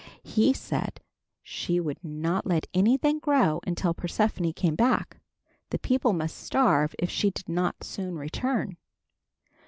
He said she would not let anything grow until Persephone came back. The people must starve if she did not soon return.